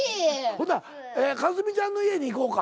ほんなら佳純ちゃんの家に行こうか。